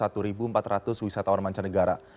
angka tertinggi adalah dua belas wisatawan mancanegara